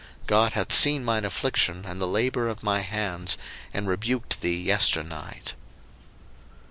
God hath seen mine affliction and the labour of my hands, and rebuked thee yesternight.